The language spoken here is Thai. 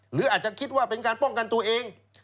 หรืออาจจะคิดว่าเป็นการป้องกันตัวเอง